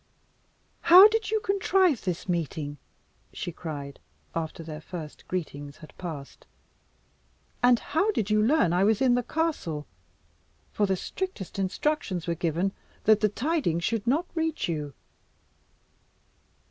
"How did you contrive this meeting?" she cried, after their first greetings had passed. "And how did you learn I was in the castle, for the strictest instructions were given that the tidings should not reach you."